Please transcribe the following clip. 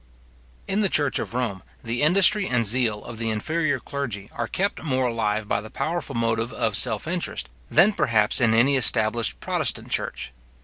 In the church of Rome the industry and zeal of the inferior clergy are kept more alive by the powerful motive of self interest, than perhaps in any established protestant church.